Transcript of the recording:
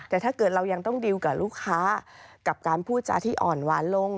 แต่ถ้าเกิดเรายังต้องดิวกับลูกค้ากับการพูดจาที่อ่อนหวานลง